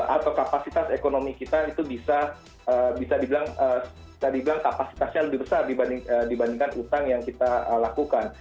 atau kapasitas ekonomi kita itu bisa dibilang bisa dibilang kapasitasnya lebih besar dibandingkan utang yang kita lakukan